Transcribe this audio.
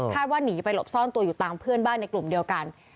ว่าหนีไปหลบซ่อนตัวอยู่ตามเพื่อนบ้านในกลุ่มเดียวกัน